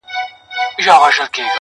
او طوطي ته یې دوکان وو ورسپارلی؛